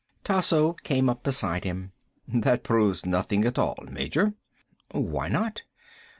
Tasso came up beside him. "That proves nothing at all, Major." "Why not?"